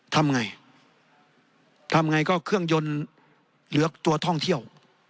ทำไงทำไงก็เครื่องยนต์เหลือตัวท่องเที่ยว